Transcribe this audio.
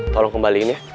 tolong kembalikan ya